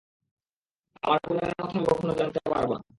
আমার পরিবারের কথা আমি কখনো জানতে পারবো না।